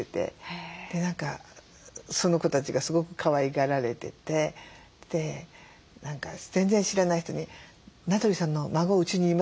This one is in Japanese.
何かその子たちがすごくかわいがられてて何か全然知らない人に「名取さんの孫うちにいます」って。